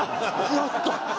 やった！